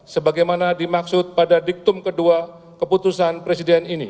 sebagaimana dimaksud pada diktum kedua keputusan presiden ini